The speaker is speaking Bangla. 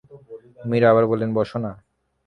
মীরা আবার বললেন, বস না।